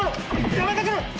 やめてくれ！